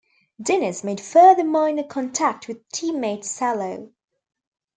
Diniz made further minor contact with teammate Salo.